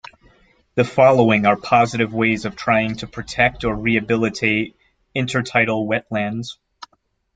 The following are positive ways of trying to protect or rehabilitate intertidal wetlands.